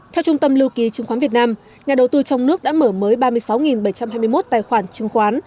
theo trung tâm lưu ký chứng khoán việt nam nhà đầu tư trong nước đã mở mới ba mươi sáu bảy trăm hai mươi một tài khoản chứng khoán